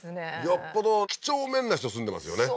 よっぽどきちょうめんな人住んでますよね